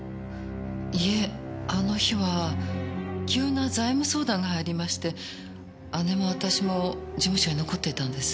いえあの日は急な財務相談がありまして姉も私も事務所に残っていたんです。